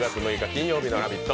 金曜日の「ラヴィット！」